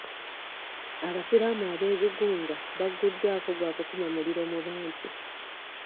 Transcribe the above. Abasiraamu abegugunga baguddwako gwakukuma muliro mu bantu.